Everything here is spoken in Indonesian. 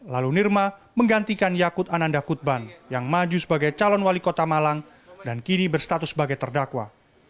lalu nirma menggantikan yakut ananda kutban yang maju sebagai calon wali kota malang dan kini berstatus sebagai terdakwa